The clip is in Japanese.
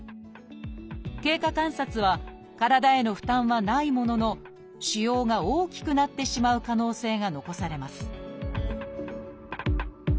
経過観察は体への負担はないものの腫瘍が大きくなってしまう可能性が残されます